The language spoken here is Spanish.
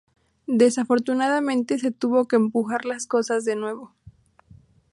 Desafortunadamente se tuvo que empujar las cosas de nuevo.